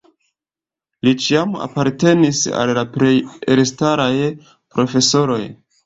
Li ĉiam apartenis al la plej elstaraj profesoroj.